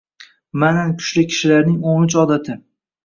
Ma'nan kuchli kishilarning o'n uch odati